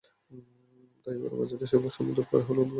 তাই এবারের বাজেটে সেই বৈষম্য দূর করা হবে বলে আশা করি।